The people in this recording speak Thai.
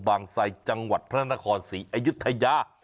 บางทรายจังหวัดพระนครศรีอายุทยา